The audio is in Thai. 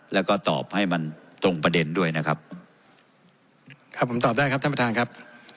แล้วก็ตอบให้มันตรงประเด็นด้วยนะครับครับผมตอบได้ครับท่านประธานครับ